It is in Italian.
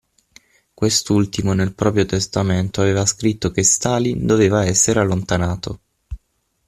Quest'ultimo nel proprio testamento aveva scritto che Stalin doveva essere allontanato.